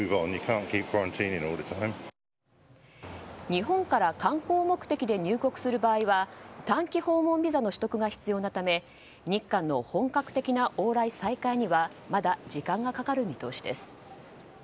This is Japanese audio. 日本から観光目的で入国する場合は短期訪問ビザの取得が必要なため日韓の本格的な往来再開にはまだ時間がかかる見通しです。